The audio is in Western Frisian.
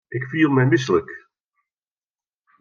Ik fiel my mislik.